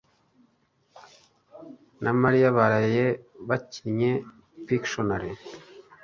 na Mariya baraye bakinnye Pictionary